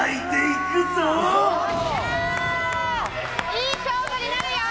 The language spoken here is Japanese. いい勝負になるよ！